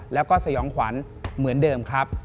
แล้วก็สยองขวัญเหมือนเดิมครับ